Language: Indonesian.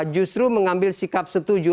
justru mengambil sikap setuju